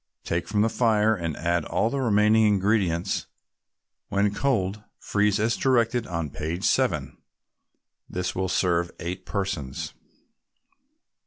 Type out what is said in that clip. Take from the fire, and add all the remaining ingredients. When cold, freeze as directed on page 7. This will serve eight persons.